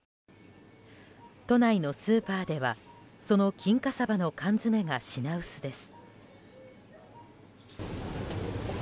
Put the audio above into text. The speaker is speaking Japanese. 都内のスーパーではその金華サバの缶詰が品薄です。